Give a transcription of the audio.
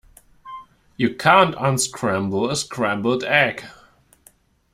You can't unscramble a scrambled egg.